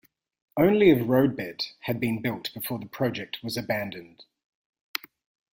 Only of roadbed had been built before the project was abandoned.